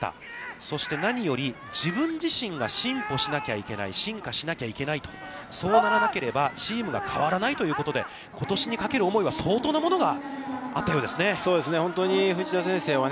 そして、何より自分自身が進歩しなきゃいけない、進化しなきゃいけないとそうならなければ、チームが変わらないということで、ことしにかける思いは相当なものがあったようですね。